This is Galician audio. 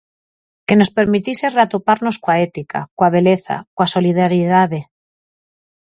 Que nos permitise reatoparnos coa ética, coa beleza, coa solidariedade.